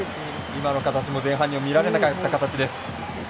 今の形も前半には見られなかった形です。